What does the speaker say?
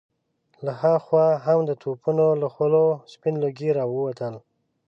له هاخوا هم د توپونو له خولو سپين لوګي را ووتل.